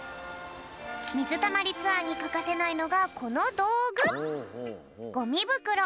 みずたまりツアーにかかせないのがこのどうぐ！